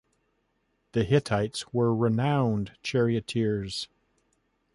The Hittites were renowned charioteers.